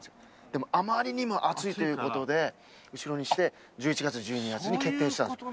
でもあまりにも暑いという事で後ろにして１１月１２月に決定したんです。